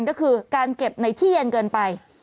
ก็คือการเก็บในที่เย็นเกินไป